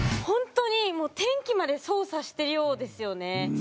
本当にもう天気まで操作してるようですよね。